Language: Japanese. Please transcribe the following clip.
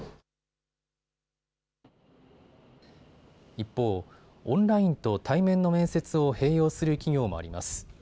一方、オンラインと対面の面接を併用する企業もあります。